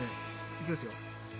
いきますよ。